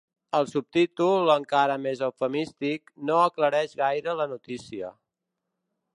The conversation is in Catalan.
El subtítol, encara més eufemístic, no aclareix gaire la notícia.